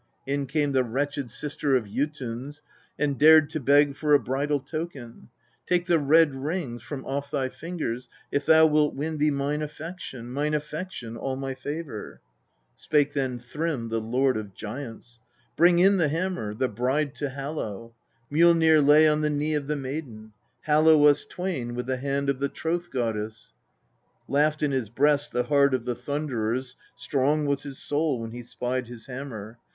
29. In came the wretched sister of Jotuns and dared to beg for a bridal token :' Take the red rings from off thy fingers if thou wilt win thee mine affection, mine affection, all my favour !' 30. Spake then Thrym, the lord of giants :' Bring in the hammer, the bride to hallow. Mjollnir lay on the knee of the maiden ! Hallow us twain with the hand of the Troth goddess !' 31. Laughed in his breast the heart of the Thunderer; strong was his soul when he spied his hammer.